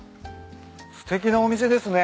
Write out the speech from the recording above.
すてきなお店ですね。